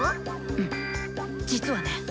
うん実はね。